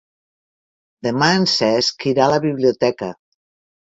Demà en Cesc irà a la biblioteca.